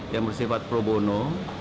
yang bersifat pro bono